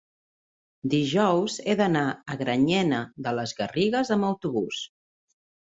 dijous he d'anar a Granyena de les Garrigues amb autobús.